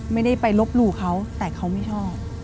ไม่ได้ไปลบหลู่เขาแต่เขาไม่ชอบ